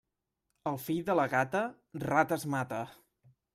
El fill de la gata, rates mata.